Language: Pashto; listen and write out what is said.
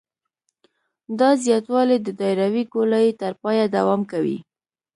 دا زیاتوالی د دایروي ګولایي تر پایه دوام کوي